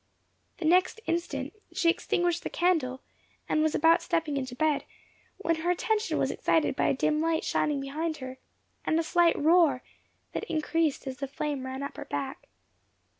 The next instant she extinguished the candle, and was about stepping into bed, when her attention was excited by a dim light shining behind her, and a slight roar, that increased as the flame ran up her back.